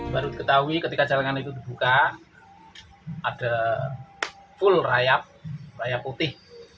baru diketahui ketika celengan itu dibuka ada full rayap rayap putih